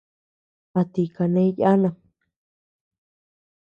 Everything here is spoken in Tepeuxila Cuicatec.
¿A ti kane yanam.